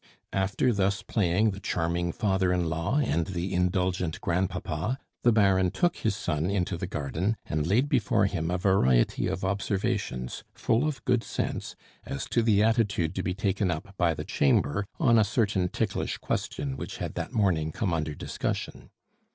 After thus playing the charming father in law and the indulgent grandpapa, the Baron took his son into the garden, and laid before him a variety of observations full of good sense as to the attitude to be taken up by the Chamber on a certain ticklish question which had that morning come under discussion.